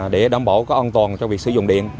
để đảm bảo các an toàn cho việc sử dụng điện